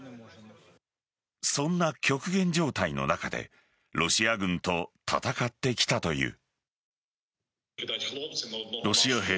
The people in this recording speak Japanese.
そんな極限状態の中でロシア軍と戦ってきたという。